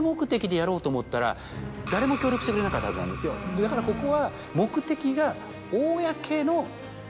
だからここは。